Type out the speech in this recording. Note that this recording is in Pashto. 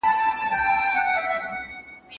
ماشومان لوستل کول.